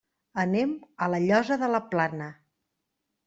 Anem a La Llosa de la Plana.